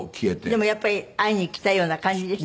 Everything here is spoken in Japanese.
でもやっぱり会いにきたような感じでした？